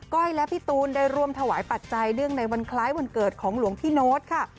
้อยและพี่ตูนได้ร่วมถวายปัจจัยเนื่องในวันคล้ายวันเกิดของหลวงพี่โน๊ตค่ะ